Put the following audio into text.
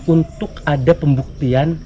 untuk ada pembuktian